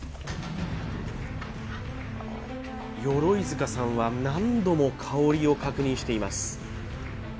鎧塚さんは何度も香りを確認しています